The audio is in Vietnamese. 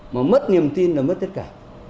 mà mất niềm tin là mất tất cả